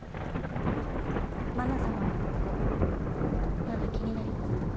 まな様のことまだ気になります？